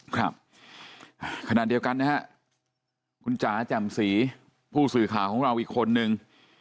ครับขณะเดียวกันนะฮะคุณจ๋าแจ่มสีผู้สื่อข่าวของเราอีกคนนึง